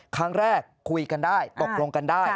ครั้งแรกคุยกันได้ตกลงกันได้